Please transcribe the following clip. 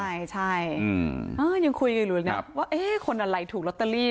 ใช่ใช่อืมอ้าวยังคุยกันอยู่แล้วนะครับว่าเอ๊ะคนอะไรถูกล็อตเตอรี่